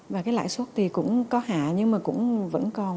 và cái lãi suất thì cũng có hạ nhưng mà cũng vẫn còn